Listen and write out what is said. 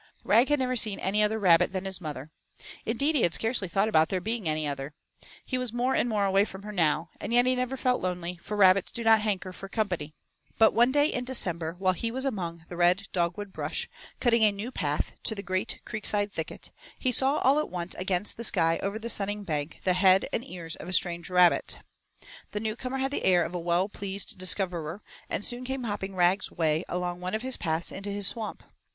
VII Rag had never seen any other rabbit than his mother. Indeed he had scarcely thought about there being any other. He was more and more away from her now, and yet he never felt lonely, for rabbits do not hanker for company. But one day in December, while he was among the red dogwood brush, cutting a new path to the great Creekside thicket, he saw all at once against the sky over the Sunning Bank the head and ears of a strange rabbit. The newcomer had the air of a well pleased discoverer and soon came hopping Rag's way along one of his paths into his Swamp.